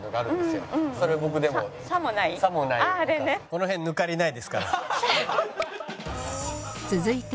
この辺抜かりないですから。